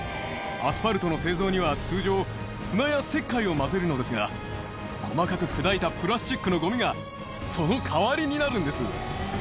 アスファルトの製造には、通常、砂や石灰を混ぜるのですが、細かく砕いたプラスチックのごみが、その代わりになるんです。